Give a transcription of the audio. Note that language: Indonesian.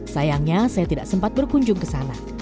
sayangnya saya tidak sempat berkunjung ke sana